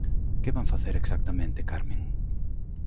Que van facer exactamente, Carmen?